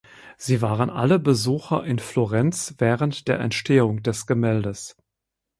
Sie waren alle Besucher in Florenz während der Entstehung des Gemäldes.